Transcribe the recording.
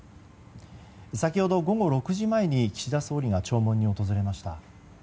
先ほど、午後６時前に岸田総理が弔問に訪れました。